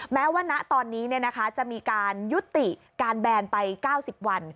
แม้ว่าณตอนนี้จะมีการยุติการแบนไป๙๐วัน